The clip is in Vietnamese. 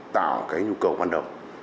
tạo cái nhu cầu văn động